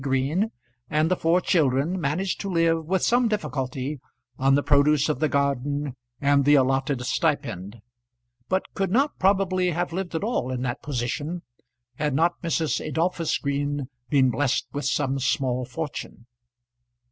Green and the four children, managed to live with some difficulty on the produce of the garden and the allotted stipend; but could not probably have lived at all in that position had not Mrs. Adolphus Green been blessed with some small fortune.